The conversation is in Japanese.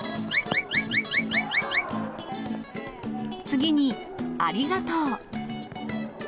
次に、ありがとう。